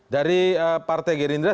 dari partai girindra